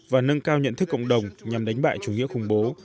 và nâng cao nhận thức cộng đồng nhằm đánh bại chủ nghĩa khủng bố